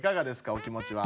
お気もちは。